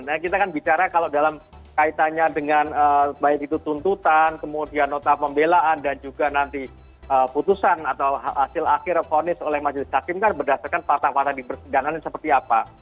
nah kita kan bicara kalau dalam kaitannya dengan baik itu tuntutan kemudian nota pembelaan dan juga nanti putusan atau hasil akhir vonis oleh majelis hakim kan berdasarkan fakta fakta di persidangan seperti apa